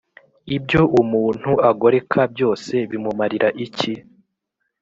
ibyo umuntu agoreka byose bimumarira iki